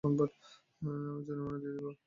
আমি জরিমানা দিয়ে দেব!